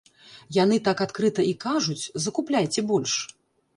Яны так адкрыта і кажуць, закупляйце больш.